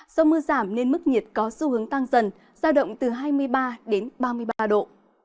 do mưa giảm nên mức nhiệt có xu hướng tăng dần giao động từ hai mươi ba đến ba mươi ba độ